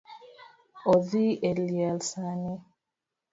Odhi e liel sani